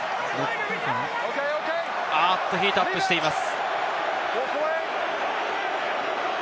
ヒートアップしています。